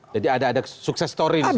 jadi ada sukses story di situ